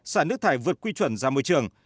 xả nước thải vượt quy chuẩn ra môi trường